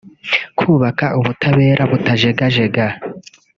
kubaka ubutabera butajegajega